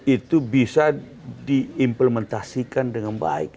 itu bisa diimplementasikan dengan baik